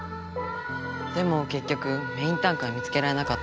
でもけっきょくメインタンクは見つけられなかった。